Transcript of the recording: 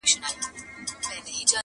پر اوږو د اوښكو ووته له ښاره!!